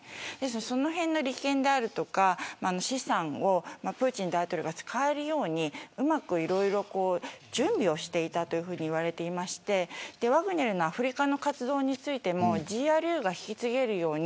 そのへんの利権だとか、資産をプーチン大統領が使えるようにうまくいろいろ準備をしていたと言われていましてワグネルのアフリカの活動についてもＧＲＵが引き継げるように。